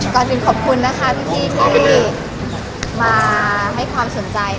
ก่อนถึงขอบคุณนะคะพี่ที่มาให้ความสนใจ